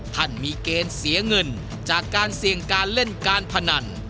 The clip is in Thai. ท่านมีเกณฑ์เสียเงินจากการเสี่ยงการเล่นการพนัน